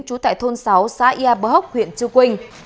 trú tại thôn sáu xã yà bờ hốc huyện chư quynh